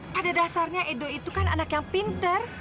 pada dasarnya edo itu kan anak yang pinter